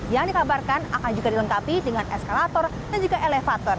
yang dikabarkan akan juga dilengkapi dengan eskalator dan juga elevator